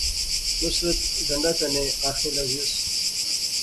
نصرت ڈانڈا کنے آخنے لاغیوس